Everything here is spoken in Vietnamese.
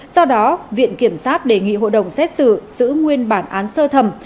do đó viện kiểm sát đề nghị hội đồng xét xử giữ nguyên bản án sơ thẩm